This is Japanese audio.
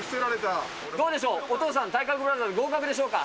どうでしょう、お父さん、体格ブラザーズ合格でしょうか？